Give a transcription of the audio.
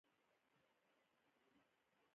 حکومت دې د ژبې ملاتړ وکړي.